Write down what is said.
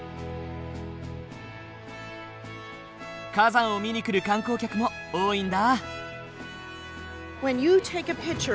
火山を見に来る観光客も多いんだ。